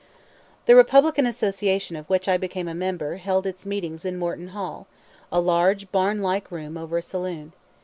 The Republican Association of which I became a member held its meetings in Morton Hall, a large, barn like room over a saloon.